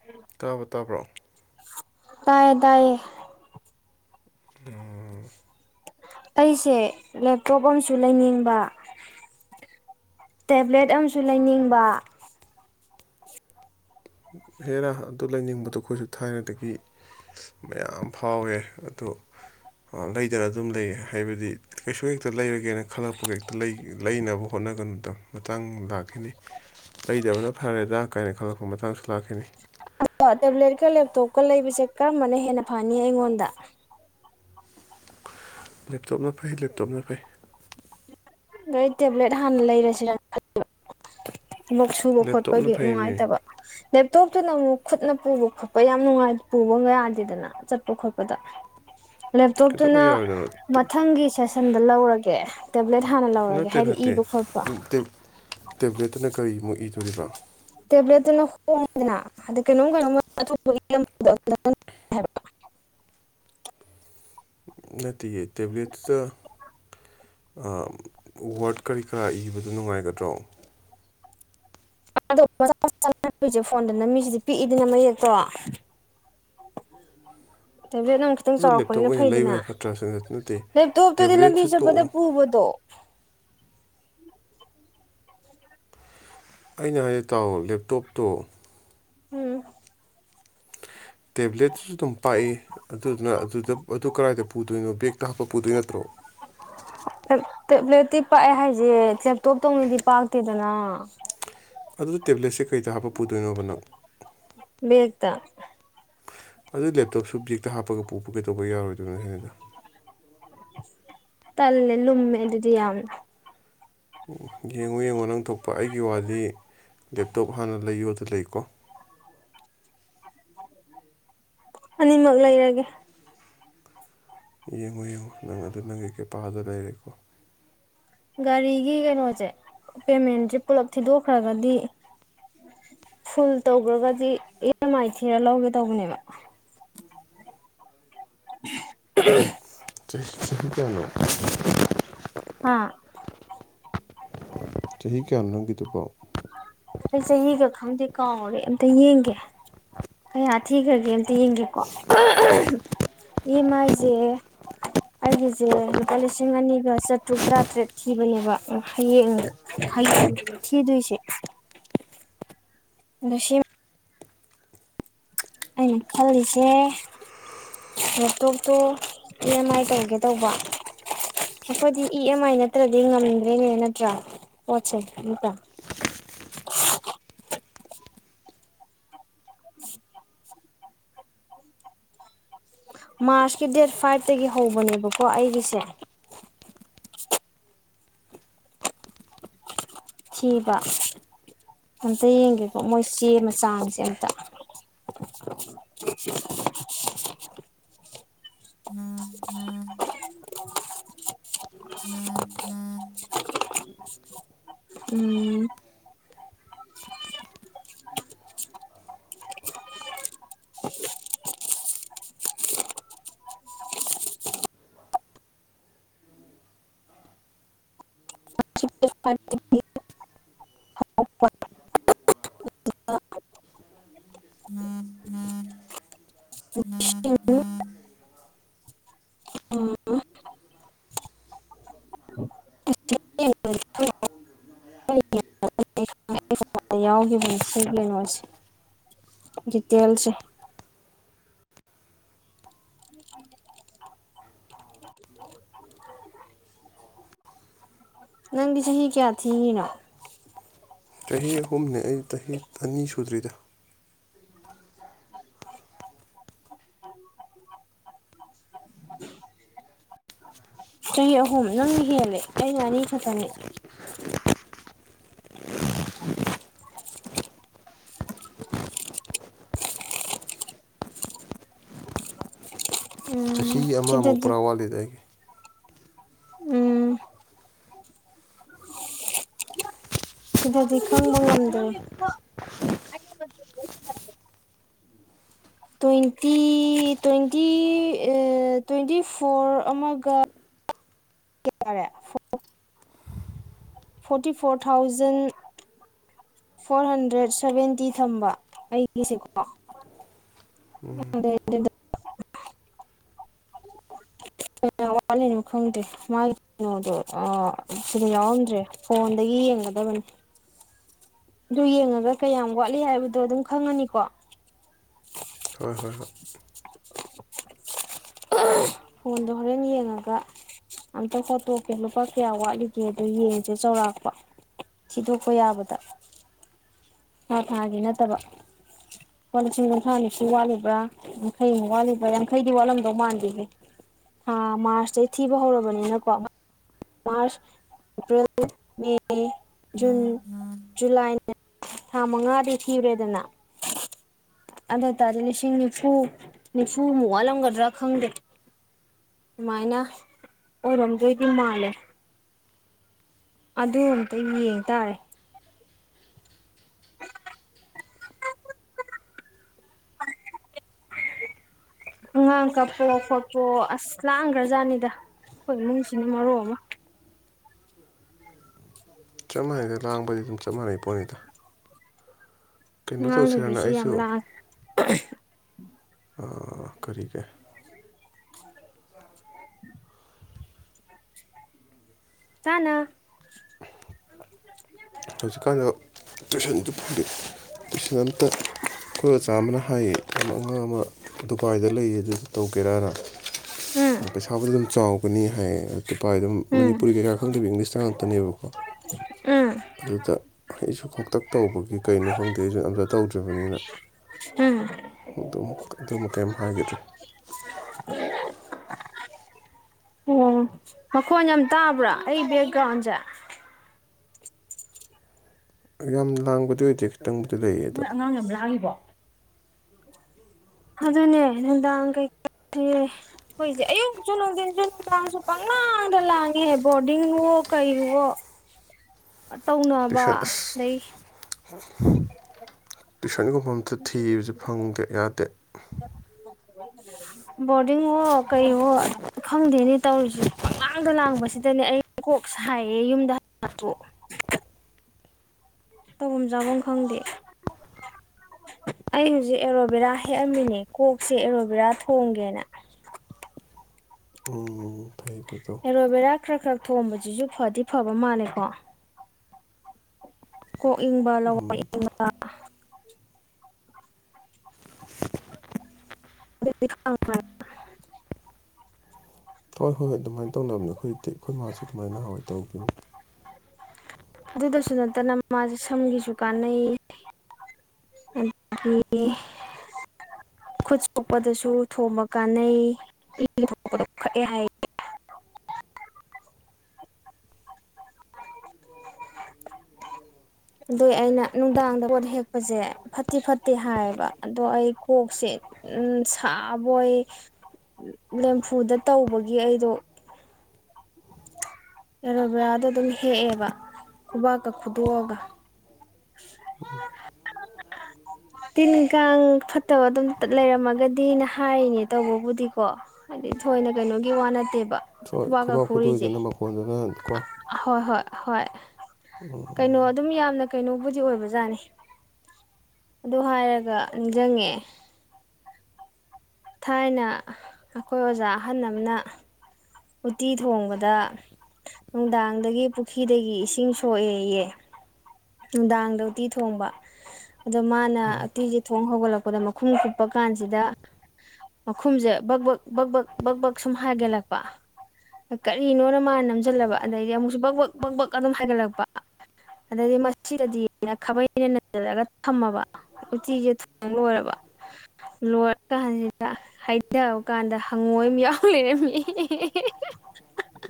[unintelligible] ꯇꯥꯕꯔꯣ ꯇꯥꯕ꯭ꯔꯣ ꯇꯌꯦ ꯇꯌꯦ [unintelligible] ꯑꯩꯁꯦ ꯂꯦꯞꯇꯣꯞ ꯑꯃꯁꯨ ꯂꯩꯅꯤꯡꯕ꯫ ꯇꯦꯕ꯭ꯂꯦꯠ ꯑꯝꯁꯨ ꯂꯩꯅꯤꯡꯕ ꯍꯦꯔꯥ ꯑꯗꯨ ꯂꯩꯅꯤꯡꯕꯗꯣ ꯑꯩꯈꯣꯏꯁꯨ ꯊꯥꯏꯅꯗꯒꯤ ꯃꯌꯥꯝ ꯐꯥꯎꯋꯦ ꯑꯗꯨ ꯂꯩꯗꯅ ꯑꯗꯨꯝ ꯂꯩ ꯍꯥꯏꯕꯗꯤ ꯀꯩꯁꯨ ꯍꯦꯛꯇ ꯂꯩꯔꯒꯦꯅ ꯈꯜꯂꯛꯄꯒ ꯍꯦꯛꯇ ꯂꯩꯅꯕ ꯍꯣꯠꯅꯒꯟ ꯃꯇꯥꯡ ꯂꯥꯛꯈꯤꯅꯤ ꯂꯩꯗꯕꯅ ꯐꯔꯦꯗ꯭ ꯀꯥꯏꯅ ꯈꯜꯂꯛ ꯃꯇꯥꯡꯁꯨ ꯂꯥꯛꯈꯤꯅꯤ꯫ ꯑꯗꯣ ꯇꯦꯕ꯭ꯂꯦꯠꯀ ꯂꯦꯞꯇꯣꯞꯀ ꯂꯩꯕꯁꯦ ꯀꯔꯝꯕꯅ ꯍꯦꯟꯅ ꯐꯅꯤ ꯑꯩꯉꯣꯟꯗ ꯂꯦꯞꯇꯣꯞꯅ ꯐꯩ ꯂꯦꯞꯇꯣꯞꯅ ꯐꯩ ꯑꯩ ꯇꯦꯕ꯭ꯂꯦꯠ ꯍꯥꯟꯅ ꯂꯩꯔꯁꯤꯔꯅ ꯈꯟꯕ ꯊꯕꯛ ꯁꯨꯕ ꯂꯦꯞꯇꯣꯞꯅ ꯈꯣꯠꯄꯒꯤ ꯐꯩꯃꯤ ꯅꯨꯡꯉꯥꯏꯇꯕ ꯂꯦꯞꯇꯣꯞꯇꯨꯅ ꯑꯃꯨꯛ ꯈꯨꯠꯅ ꯄꯨꯕ ꯈꯣꯠꯄ ꯌꯥꯝ ꯅꯨꯡꯉꯥꯏꯅ ꯄꯨꯕ ꯌꯥꯗꯦꯗꯅ ꯆꯠꯄ ꯈꯣꯠꯄꯗ꯫ ꯀꯩꯗꯧꯕ ꯂꯦꯞꯇꯣꯞꯇꯨꯅ ꯌꯥꯔꯣꯏꯗꯣꯏꯅꯣ ꯃꯊꯪꯒꯤ ꯁꯦꯁꯟꯗ ꯂꯧꯔꯒꯦ ꯇꯦꯕ꯭ꯂꯦꯠ ꯍꯥꯟꯅ ꯂꯧꯔꯒꯦ ꯅꯠꯇꯦ ꯍꯥꯏꯗꯤ ꯅꯠꯇꯦ ꯏꯕ ꯈꯣꯠꯄ ꯇꯦ ꯇꯦꯕ꯭ꯂꯦꯠꯇꯅ ꯀꯔꯤꯃꯨꯛ ꯏꯗꯣꯔꯤꯕꯣ ꯇꯦꯕ꯭ꯂꯦꯠꯇꯨꯅ ꯍꯣꯡꯉꯤꯗꯅ ꯑꯗ ꯀꯩꯅꯣꯝ ꯀꯩꯅꯣ [unintelligible] ꯅꯠꯇꯣꯌꯦ ꯇꯦꯕꯂꯦꯠꯇꯨꯗꯥ ꯋꯥꯔꯗ ꯀꯔꯤ ꯀꯔꯥ ꯏꯕꯗꯨ ꯅꯨꯡꯉꯥꯏꯒꯗ꯭ꯔꯣ [unintelligible] ꯐꯣꯟꯗ ꯅꯝꯃꯤꯁꯤꯗꯤ ꯄꯤꯛꯏꯗꯅ ꯃꯌꯦꯛꯇꯣ ꯇꯦꯕꯂꯦꯇꯅꯥ ꯑꯃꯨꯛ ꯈꯤꯇꯪ ꯑꯗꯣ ꯂꯦꯞꯇꯣꯞ ꯆꯥꯎꯔꯛꯄꯅꯤꯅ ꯑꯣꯏꯅ ꯐꯩꯗꯅ ꯂꯩꯕꯅ ꯐꯠꯇ꯭ꯔꯥ ꯁꯟꯗ ꯅꯠꯇꯦ ꯂꯦꯞꯇꯣꯞꯇꯨꯗꯤ ꯇꯦꯕ꯭ꯂꯦꯠꯁꯨ ꯂꯝꯕꯤ ꯆꯠꯄꯗ ꯇꯣꯛꯑꯣ ꯄꯨꯕꯗꯣ ꯑꯩꯅ ꯍꯥꯏꯖꯦ ꯇꯥꯎ ꯂꯦꯞꯇꯣꯞꯇꯣ ꯎꯝ ꯇꯦꯕ꯭ꯂꯦꯠꯇꯨꯁꯨ ꯑꯗꯨꯝ ꯄꯥꯛꯏ ꯑꯗꯨꯗꯨꯅ ꯑꯗꯨꯗ ꯑꯗꯨ ꯀꯔꯥꯏꯗ ꯄꯨꯗꯣꯏꯅꯣ ꯕꯦꯛꯇ ꯍꯥꯞꯄ ꯄꯨꯗꯣꯏ ꯅꯠꯇ꯭ꯔꯣ ꯇꯦꯕ꯭ꯂꯦꯠꯇꯤ ꯄꯥꯛꯑꯦ ꯍꯥꯏꯁꯦ ꯂꯦꯞꯇꯣꯞꯇꯧꯅꯗꯤ ꯄꯥꯛꯇꯦꯗꯅ ꯑꯗꯨ ꯇꯦꯕ꯭ꯂꯦꯠꯁꯦ ꯀꯩꯗ ꯍꯥꯞꯄ ꯄꯨꯗꯣꯏꯅꯣꯕ ꯅꯪ ꯕꯦꯛꯇ ꯑꯗꯨ ꯂꯦꯞꯇꯣꯞꯁꯨ ꯕꯦꯛꯇ ꯍꯥꯞꯄꯒ ꯄꯨꯕꯥ ꯀꯩꯗꯧꯕꯩ ꯌꯥꯔꯣꯏꯗꯣꯏꯅꯣ [unintelligible] ꯇꯜꯂꯦ ꯂꯨꯝꯃꯦ ꯑꯗꯨꯗꯤ ꯌꯥꯝ ꯌꯦꯡꯉꯣ ꯌꯦꯡꯉꯣ ꯅꯪ ꯊꯣꯛꯄ ꯑꯩꯒꯤ ꯋꯥꯗꯤ ꯂꯦꯞꯇꯣꯞ ꯍꯥꯟꯅ ꯂꯩꯌꯣꯗ ꯂꯩꯀꯣ꯫ ꯑꯅꯤꯃꯛ ꯂꯩꯔꯒꯦ ꯌꯦꯡꯉꯣ ꯌꯦꯡꯉꯣ ꯅꯪ ꯑꯗꯨ ꯅꯪ ꯀꯦꯄꯥꯗ ꯂꯩꯔꯦꯀꯣ ꯒꯥꯔꯤꯒꯤ ꯀꯩꯅꯣꯁꯦ ꯄꯦꯃꯦꯟꯁꯦ ꯄꯨꯂꯞ ꯊꯤꯗꯣꯛꯈ꯭ꯔꯒꯗꯤ ꯐꯨꯜ ꯇꯧꯒꯔꯒꯗꯤ ꯏ ꯑꯦꯝ ꯑꯥꯏ ꯊꯤꯔ ꯂꯧꯒꯦ ꯇꯧꯕꯅꯦꯕ [unintelligible] ꯆꯍꯤ ꯆꯍꯤ ꯀꯌꯥꯅꯣ ꯍꯥ ꯆꯍꯤ ꯀꯌꯥꯅꯣ ꯅꯪꯒꯤꯗꯨꯕꯣ ꯑꯩ ꯆꯍꯤꯒ ꯈꯪꯗꯦ ꯀꯥꯎꯔꯦ ꯑꯝꯇ ꯌꯦꯡꯒꯦ ꯀꯌꯥ ꯊꯤꯈ꯭ꯔꯒꯦ ꯇ ꯌꯦꯡꯒꯦꯀꯣ ꯏ ꯑꯦꯝ ꯑꯏꯖꯦ ꯑꯩꯒꯤꯁꯦ ꯂꯨꯄꯥ ꯂꯤꯁꯤꯡ ꯑꯅꯤꯒ ꯆꯥꯇ꯭ꯔꯨꯛ ꯇꯔꯥꯇꯔꯦꯠ ꯊꯤꯕꯅꯦꯕ ꯍꯌꯦꯡ ꯍꯌꯦꯡ ꯊꯤꯗꯣꯏꯁꯦ [unintelligible] ꯑꯩꯅ ꯈꯜꯂꯤꯁꯦ ꯂꯦꯞꯇꯣꯞꯇꯣ ꯏ ꯑꯦꯝ ꯑꯥꯏ ꯇꯧꯒꯦ ꯇꯧꯕ ꯑꯩꯈꯣꯏꯗꯤ ꯏ ꯑꯦꯝ ꯑꯥꯏ ꯅꯠꯇ꯭ꯔꯗꯤ ꯉꯝꯗ꯭ꯔꯦꯅꯦ ꯅꯠꯇ꯭ꯔ ꯄꯣꯠ ꯁꯦ ꯅꯠꯇꯔ ꯃꯥꯔꯁꯀꯤ ꯗꯦꯠ ꯐꯥꯏꯚꯇꯒꯤ ꯍꯧꯕꯅꯦꯕꯀꯣ ꯑꯩꯒꯤꯁꯦ ꯊꯤꯕ ꯑꯝꯇ ꯌꯦꯡꯒꯦꯀꯣ ꯃꯣꯏ ꯆꯦꯃꯆꯥꯁꯦ ꯑꯝꯇ [unintelligible] [unintelligible] ꯎꯝ ꯐ [unintelligible] ꯎꯝ ꯎꯝ ꯌꯥꯎꯈꯤꯕꯅꯦ ꯁꯤ ꯀꯩꯅꯣꯁꯦ ꯗꯤꯇꯦꯜꯁꯦ ꯅꯪꯗꯤ ꯆꯍꯤ ꯀꯌꯥ ꯊꯤꯒꯤꯅꯣ ꯆꯍꯤ ꯑꯍꯨꯝꯅꯦ ꯑꯩ ꯆꯍꯤ ꯑꯅꯤ ꯁꯨꯗ꯭ꯔꯤꯗ ꯆꯍꯤ ꯑꯍꯨꯝ ꯅꯪꯅ ꯍꯦꯜꯂꯦ ꯑꯩꯩꯅ ꯑꯅꯤ ꯈꯛꯇꯅꯤ ꯆꯍꯤ ꯎꯝ ꯑꯃꯃꯨꯛ ꯁꯤꯗꯗꯤ ꯄꯨꯔꯥ ꯋꯥꯠꯂꯤꯗ ꯑꯩꯒꯤ ꯎꯝ ꯁꯤꯗꯗꯤ ꯈꯪꯕ ꯉꯝꯗꯔꯦ ꯇ꯭ꯋꯦꯟꯇꯤ ꯇ꯭ꯋꯦꯟꯇꯤ ꯇ꯭ꯋꯦꯟꯇꯤ ꯐꯣꯔ ꯑꯃꯒ ꯔꯦ forty four thousand four hundred seventy ꯊꯝꯕ ꯑꯩꯒꯤꯁꯦꯀꯣ ꯑꯗ [unintelligible] ꯀꯌ ꯋꯠꯂꯤꯅꯣ ꯈꯪꯗꯦ ꯃꯥꯒꯤ ꯀꯩꯅꯣꯗꯣ ꯑ ꯁꯤꯗ ꯌꯥꯎꯔꯝꯗ꯭ꯔꯦ ꯐꯣꯟꯗꯒꯤ ꯌꯦꯡꯒꯗꯕꯅꯤ ꯑꯗꯨ ꯌꯦꯡꯉꯒ ꯀꯌꯥꯝ ꯋꯥꯠꯂꯤ ꯍꯥꯏꯕꯗꯣ ꯑꯗꯨꯝ ꯈꯪꯉꯅꯤꯀꯣ ꯍꯣꯏ ꯍꯣꯏ ꯍꯣꯏ ꯐꯣꯟꯗ ꯍꯣꯔꯦꯟ ꯌꯦꯡꯉꯒ ꯑꯝꯇ ꯍꯣꯠꯇꯣꯛꯀꯦ ꯂꯨꯄꯥ ꯀꯌꯥ ꯋꯥꯠꯂꯤꯒꯦ ꯑꯗꯣ ꯌꯦꯡꯁꯦ ꯆꯧꯔꯥꯛꯄ ꯊꯤꯗꯣꯛꯄ ꯌꯥꯕꯗ꯫ ꯊꯥ ꯊꯥꯒꯤ ꯅꯠꯇꯕ ꯀꯣ ꯂꯤꯁꯤꯡ ꯀꯨꯟꯊ꯭ꯔꯥ ꯅꯤꯛꯁꯤ ꯋꯥꯠꯂꯤꯕ꯭ꯔꯥ꯫ ꯌꯥꯡꯈꯩꯃꯨꯛ ꯋꯥꯠꯂꯤꯕ ꯌꯥꯡꯈꯩꯗꯤ ꯋꯥꯠꯂꯝꯗꯧ ꯃꯥꯟꯗꯦꯌꯦ꯫ ꯑ ꯃꯥꯔꯁꯇꯩ ꯊꯤꯕ ꯍꯧꯔꯕꯅꯤꯅꯀꯣ꯫ March April May June. July ꯊꯥ ꯃꯉꯥꯗꯤ ꯊꯤꯔꯦꯗꯅ ꯑꯗꯨ ꯑꯣꯏꯇꯥꯔꯗꯤ ꯂꯤꯁꯤꯡ ꯅꯤꯐꯨ ꯅꯤꯐꯨꯃꯨꯛ ꯋꯥꯜꯂꯝꯒꯗ꯭ꯔꯥ ꯈꯪꯗꯦ ꯁꯨꯃꯥꯏꯅ ꯑꯣꯔꯣꯝꯗꯣꯏꯗꯤ ꯃꯥꯂꯦ ꯑꯗꯨ ꯑꯝꯇꯪ ꯌꯦꯡꯇꯥꯥꯔꯦ ꯑꯉꯥꯡ ꯀꯥꯞꯄꯣ ꯈꯣꯠꯄꯑꯣ ꯑꯁ ꯂꯥꯡꯈ꯭ꯔꯖꯥꯠꯅꯤꯗ ꯑꯩꯈꯣꯏ ꯏꯃꯨꯡꯁꯤꯅ ꯃꯔꯣꯜ ꯑꯃ꯫ ꯆꯞ ꯃꯥꯟꯅꯩ ꯂꯥꯡꯕꯗꯤ ꯑꯗꯨꯝ ꯆꯞ ꯃꯥꯟꯅꯩ ꯄꯣꯠꯅꯤꯗ꯫ ꯀꯩꯅꯣ ꯑꯉꯥꯡ ꯇꯧꯁꯤꯔꯅ ꯅꯨꯨꯕꯤꯁꯤ ꯌꯥꯝ ꯑꯩꯁꯨ ꯂꯥꯡꯑꯦ ꯑꯥ ꯀꯔꯤꯒꯦ ꯆꯅ ꯍꯧꯖꯤꯛꯀꯥꯟꯗ ꯇꯨꯏꯁꯟꯗꯨ ꯐ ꯇꯨꯏꯁꯟ ꯑꯝꯇ ꯑꯩꯈꯣꯏ ꯑꯖꯥ ꯑꯃꯅ ꯍꯥꯏꯌꯦ ꯑꯉꯥꯡ ꯑꯃ ꯗꯨꯕꯥꯥꯏꯗ ꯂꯩꯌꯦ ꯑꯗꯨꯗ ꯇꯧꯒꯦꯔꯥꯅ꯫ ꯎꯝ ꯄꯩꯁꯥꯕꯨꯗꯤ ꯑꯗꯨꯝ ꯆꯥꯎꯒꯅꯤ ꯍꯥꯏꯌꯦ ꯇꯨꯄꯥꯏ ꯑꯗꯨꯝ ꯎꯝ ꯃꯅꯤꯄꯨꯔꯤ ꯀꯩꯀꯥ ꯈꯪꯗꯕ ꯏꯪꯂꯤꯁꯇ ꯉꯥꯛꯇꯅꯦꯕꯀꯣ ꯎꯝ ꯑꯗꯨꯗ ꯑꯩꯁꯨ ꯈꯣꯛꯇꯛ ꯇꯧꯕꯒꯤ ꯀꯩꯅꯣ ꯈꯪꯗꯦ ꯑꯩꯁꯨ ꯑꯝꯇ ꯇꯧꯗ꯭ꯔꯤꯕꯅꯤꯅ ꯎꯝ ꯑꯗꯨꯨꯝ ꯑꯗꯨꯨ ꯀꯔꯤꯝ ꯍꯥꯏꯒꯤꯗ꯭ꯔꯦ ꯎꯝ ꯃꯈꯣꯟ ꯌꯥꯝ ꯇꯥꯕ꯭ꯔꯥ ꯑꯩ ꯕꯦꯛꯒ꯭ꯔꯥꯎꯟꯁꯦ꯫ ꯌꯥꯝ ꯂꯥꯡꯕꯗꯤ ꯑꯣꯏꯗꯦ ꯈꯤꯇꯪꯕꯨꯗꯤ ꯂꯩꯌꯦ ꯑꯗꯣ ꯑꯉꯥꯡ ꯌꯥꯝ ꯂꯥꯡꯏꯤꯕꯣ ꯑꯗꯨꯅꯦ ꯅꯨꯡꯗꯥꯡ ꯀꯩꯀꯩ꯫ ꯑꯩꯈꯣꯏꯁꯦ ꯑꯌꯨꯛꯁꯨ ꯅꯨꯡꯊꯤꯟꯁꯨ ꯅꯨꯡꯗꯥꯡꯁꯨ ꯄꯪꯂꯥꯡꯗ ꯂꯥꯡꯉꯦ ꯕꯣꯔꯗꯤꯡꯋꯣ ꯀꯩꯋꯣ [inaudible] ꯇꯧꯅ ꯇꯌꯨꯁꯟ ꯑꯁ ꯇꯌꯨꯁꯟꯒꯣ ꯑ ꯊꯤꯕꯁꯦ ꯐꯪꯗꯦ ꯌꯥꯗꯦ [unintelligible] ꯕꯣꯔꯗꯤꯡ ꯍꯣ ꯀꯩꯋꯣ ꯈꯪꯗꯦꯅꯦ ꯇꯧꯔꯤꯁꯦ ꯄꯪꯂꯥꯡꯗ ꯂꯥꯡꯕꯁꯤꯗꯅꯦ ꯑꯩ ꯀꯣꯛꯁ ꯁꯥꯏꯌꯦ ꯌꯨꯝꯗ ꯍꯂꯁꯨ ꯇꯧꯐꯝ ꯆꯥꯐꯝ ꯈꯪꯗꯦ ꯑꯩ ꯍꯧꯖꯤꯛ ꯑꯦꯔꯣꯕꯦꯔꯥ ꯍꯦꯛꯑꯝꯃꯤꯅꯦ ꯀꯣꯛꯁꯦ ꯑꯦꯔꯣꯕꯦꯔꯥ ꯊꯣꯡꯒꯦꯅ ꯑꯣ ꯐꯔ ꯂꯩꯕꯗꯣ ꯑꯦꯂꯣꯕꯦꯔꯥ ꯈꯔ ꯈꯔ ꯊꯣꯡꯝꯕꯁꯤꯁꯨ ꯐꯗꯤ ꯐꯕ ꯃꯥꯜꯂꯦꯀꯣ ꯀꯣꯛ ꯏꯪꯕ ꯎꯝ ꯂꯣꯛꯅꯤꯡꯕ [unintelligible] ꯑꯗꯨ ꯍꯣꯏ ꯍꯣꯏ ꯍꯣꯏ ꯑꯗꯨꯃꯥꯏꯅ ꯇꯧꯅꯕꯅꯦ ꯑꯩꯈꯣꯏ ꯑꯩꯈꯣꯏ ꯃꯥꯁꯨ ꯑꯗꯨꯃꯥꯏꯅ ꯍꯥꯟꯋꯥꯏ ꯇꯧꯕꯤꯌꯨ ꯑꯗꯨꯗꯁꯨ ꯅꯠꯇꯅ ꯃꯥ ꯁꯝꯒꯤꯁꯨ ꯀꯥꯟꯅꯩ [unintelligible] ꯈꯨꯠ ꯁꯣꯛꯄꯗꯁꯨ ꯊꯣꯕ ꯀꯥꯟꯅꯩ ꯏꯄꯗ ꯀꯛꯑꯦ ꯍꯥꯏ ꯑꯗꯨꯏ ꯑꯩꯅ ꯅꯨꯡꯗꯥꯡꯗ ꯄꯣꯠ ꯍꯦꯛꯄꯁꯦ ꯐꯠꯇꯤ ꯐꯠꯇꯦ ꯍꯥꯏꯌꯦꯕ ꯑꯗꯣ ꯑꯩ ꯀꯣꯛꯁꯦ ꯎ ꯁꯥꯕꯣꯏ ꯂꯦꯝꯐꯨꯗ ꯇꯧꯕꯒꯤ ꯑꯩꯗꯣ ꯑꯦꯔꯣꯕꯦꯔꯥꯗꯣ ꯑꯗꯨꯝ ꯍꯦꯛꯑꯦꯕ ꯈꯨꯕꯥꯛꯀ ꯈꯨꯗꯣꯛꯑꯒ ꯇꯤꯟꯀꯥꯡ ꯐꯠꯇꯕ ꯑꯗꯨꯝ ꯂꯩꯔꯝꯃꯒꯗꯤꯅ ꯍꯥꯏꯔꯤꯅꯦ ꯇꯧꯕꯕꯨꯗꯤꯀꯣ ꯍꯥꯏꯗꯤ ꯊꯣꯏꯅ ꯀꯩꯅꯣꯒꯤ ꯋꯥ ꯅꯠꯇꯦꯕ ꯣꯏ ꯈꯨꯕꯥꯛꯀ ꯈꯨꯕꯥꯛ ꯈꯨꯔꯤꯁꯦ ꯐꯇꯣꯏꯗꯨꯅ ꯃꯈꯣꯟꯗꯨꯅ ꯀꯣ ꯍꯣꯏ ꯍꯣꯏ ꯍꯣꯏ ꯀꯩꯅꯣ ꯑꯗꯨꯝ ꯌꯥꯝꯅ ꯀꯩꯅꯣꯕꯨꯗꯤ ꯑꯣꯏꯕꯖꯥꯠꯅꯤ ꯑꯗꯨ ꯍꯥꯏꯔꯒ ꯅꯤꯡꯖꯡꯉꯦ ꯊꯥꯏꯅ ꯑꯩꯈꯣꯏ ꯑꯣꯖꯥ ꯑꯍꯜ ꯑꯃꯅ ꯎꯠꯇꯤ ꯊꯣꯡꯕꯗ ꯅꯨꯡꯗꯥꯡꯗꯒꯤ ꯄꯨꯈ꯭ꯔꯤꯗꯒꯤ ꯏꯁꯤꯡ ꯁꯣꯛꯑꯦꯌꯦ ꯅꯨꯡꯗꯥꯡꯗ ꯎꯇꯤ ꯊꯣꯡꯕ ꯑꯗꯣ ꯃꯥꯅ ꯎꯝ ꯑꯇꯤꯒꯤ ꯊꯣꯡ ꯍꯧꯒꯠꯂꯛꯄꯗ ꯃꯈꯨꯝ ꯀꯨꯞꯄ ꯀꯥꯟꯁꯤꯗ ꯃꯈꯨꯝꯁꯦ ꯕꯛꯕꯛ ꯕꯛꯕꯛ ꯕꯛꯕꯛ ꯁꯨꯝ ꯍꯥꯏꯒꯠꯂꯛꯄ ꯀꯔꯤꯅꯣꯅ ꯃꯥꯅ ꯅꯝꯁꯤꯜꯂꯕ ꯑꯗꯩꯗꯤ ꯑꯃꯨꯛꯁꯨ ꯄꯛꯕꯛ ꯄꯛꯕꯛ ꯑꯗꯨꯝ ꯍꯥꯏꯒꯠꯂꯛꯄ ꯑꯗꯩꯗꯤ ꯃꯁꯤꯗꯗꯤꯩꯅ ꯈꯥꯕꯩꯩꯅ ꯅꯖꯔꯛꯒ ꯊꯝꯃꯕ ꯎꯆꯤꯁꯦ ꯊꯣꯡ ꯂꯣꯏꯔꯕ ꯂꯣꯏꯔ ꯀꯥꯟꯁꯤꯗ ꯍꯩꯊꯕ ꯀꯥꯟꯗ ꯍꯪꯉꯣꯏ ꯑꯃ ꯌꯥꯎ ꯂꯩꯔꯝꯃꯤ ꯍ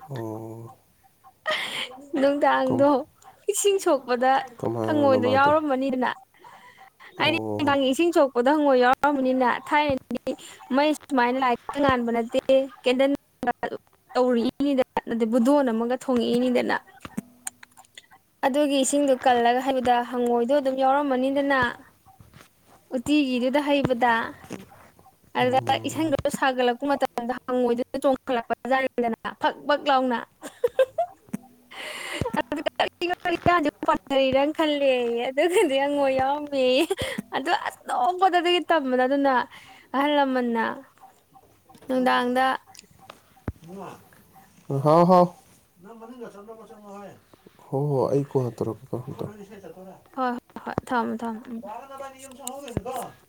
ꯑꯣ ꯀꯝ ꯅꯨꯡꯗꯥꯡꯗꯣ ꯏꯁꯤꯡ ꯁꯣꯛꯄꯗ ꯀꯃꯥꯏꯅꯅꯣ ꯑꯩꯪꯉꯣꯟꯗ ꯃꯥꯗꯤ ꯌꯥꯎꯔꯃꯅꯤꯗꯅ ꯑꯩꯗꯤ ꯑꯣ ꯟꯊꯡꯒꯤ ꯏꯁꯤꯡ ꯁꯣꯛꯄꯗ ꯍꯪꯉꯣꯏ ꯌꯥꯎꯔꯔꯕꯅꯤꯅ ꯊꯥꯏꯅ ꯃꯩ ꯁꯨꯃꯥꯏꯅ ꯂꯥꯏꯠꯇ ꯉꯥꯟꯕ ꯅꯠꯇꯦ ꯀꯦꯟꯗꯟ ꯇꯧꯔꯛꯏꯅꯤꯗꯅ ꯑꯗꯩ ꯕꯨꯗꯣꯟ ꯑꯃꯒ ꯊꯣꯡꯉꯛꯏꯅꯤꯗꯅ ꯑꯗꯨꯒꯤ ꯏꯁꯤꯡꯗꯣ ꯀꯜꯂꯒ ꯍꯥꯏꯕꯗ ꯍꯪꯉꯣꯏꯗꯣ ꯑꯗꯨꯝ ꯌꯥꯎꯔꯝꯃꯅꯤꯗꯅ ꯎꯇꯤꯒꯤꯗꯨꯗ ꯍꯩꯕꯗ ꯑꯗꯨꯗ ꯏꯁꯗꯨꯗ ꯁꯥꯒꯠꯂꯛꯄ ꯃꯇꯝꯗ ꯍꯪꯣꯏꯗꯨꯅ ꯆꯣꯡꯈꯠꯂꯛꯄꯖꯥꯔꯦꯗꯅ ꯐꯛ ꯐꯛ ꯂꯥꯎꯅ [unintelligible] ꯀꯔꯤꯅ ꯈꯜꯂꯦꯌꯦ ꯑꯗꯨꯒꯤꯗꯤ ꯑꯪꯉꯣ ꯌꯥꯎꯔꯝꯃꯦ ꯑꯗꯨ ꯑꯁ ꯅꯣꯛꯄꯗ ꯇꯝꯕꯗ ꯑꯗꯨꯅ ꯑꯍꯜ ꯂꯃꯟꯅ ꯅꯨꯡꯗꯥꯡꯗ [unintelligible] ꯍꯥꯎ ꯍꯥꯎ꯫ [unintelligible] ꯍꯣꯏ ꯍꯣꯏ ꯍꯣꯏ ꯊꯝꯃꯃꯦ ꯊꯝꯃꯃꯦ ꯎꯝ [unintelligible]